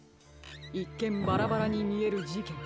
いっけんバラバラにみえるじけん。